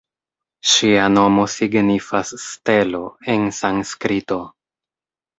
Ŝia nomo signifas ""Stelo"" en sanskrito.